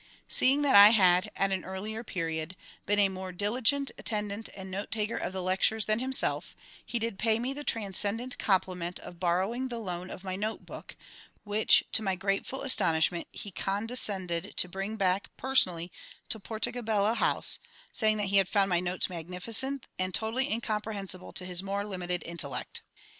Seeing that I had (at an earlier period) been a more diligent attendant and note taker of lectures than himself, he did pay me the transcendent compliment of borrowing the loan of my note book, which, to my grateful astonishment, he condescended to bring back personally to Porticobello House, saying that he had found my notes magnificent, and totally incomprehensible to his more limited intellect!